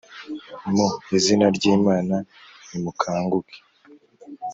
mu izina ry Imana Nimukanguke